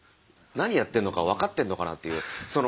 何やってんのか分かってんのかなっていう。